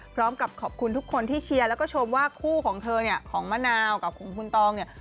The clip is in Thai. พร้อมกับขอบคุณทุกคนที่เชียร์แล้วก็ชมว่าคู่ของเธอเนี่ยของมะนาวกับของคุณตองเนี่ย